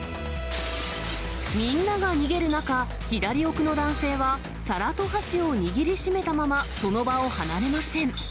みんなが逃げる中、左奥の男性は皿と箸を握りしめたまま、その場を離れません。